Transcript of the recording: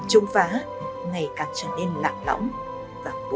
chúng phá ngày càng trở nên lạc lạc